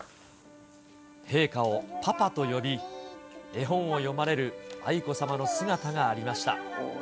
陛下をパパと呼び、絵本を読まれる愛子さまの姿がありました。